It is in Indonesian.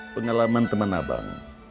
pengalaman teman abang